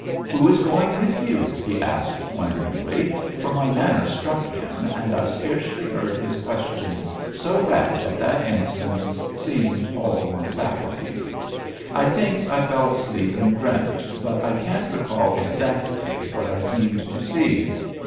"Who IS going with you?" he asked, wonderingly, for my manner struck him, and I scarcely heard his question, so wrapt at that instance seemed all my faculties. I think I fell asleep and dreamt, but I can't recall exactly what I seemed to see.